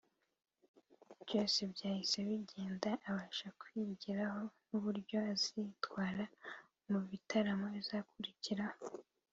byose byahise bigenda abasha kwigiraho n’uburyo azitwara mu bitaramo bizakurikiraho